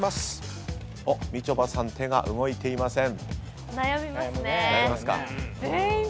みちょぱさん手が動いていません。